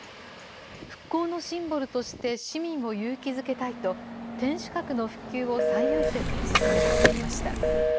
復興のシンボルとして市民を勇気づけたいと、天守閣の復旧を最優先に進められてきました。